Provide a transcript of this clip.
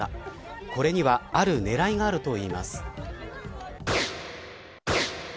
これにはある狙いがあるといいます。